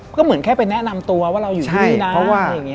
ก็เหมือนแค่ไปแนะนำตัวว่าเราอยู่ที่นี่นะ